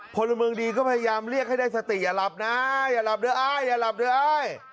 พลเมืองดีก็พยายามเรียกให้ได้สติอย่าหลับนะอย่าหลับด้วยอ้ายอย่าหลับด้วยอ้าย